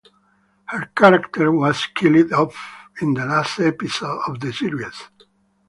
Her character was killed off in the last episode of the series.